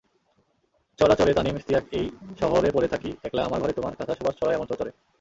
চরাচরেতানিম ইশতিয়াকএই শহরে পড়ে থাকি একলাআমার ঘরেতোমার কাঁথা সুবাস ছড়ায় আমার চরাচরে।